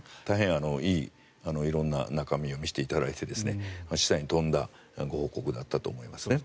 大変、いい色んな中身を見せていただいて示唆に富んだご報告だったと思います。